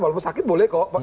walaupun sakit boleh kok